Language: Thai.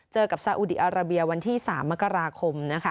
เจอกับสาหุดิอาราเบียวันที่๓มกราคม